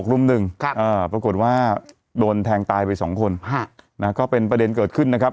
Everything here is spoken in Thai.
รุ่มหนึ่งปรากฏว่าโดนแทงตายไปสองคนก็เป็นประเด็นเกิดขึ้นนะครับ